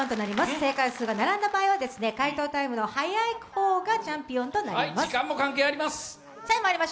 正解数が並んだ場合は解答タイムの速いほうが時間も関係あります。